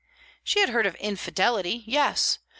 She had heard of "infidelity;" yes.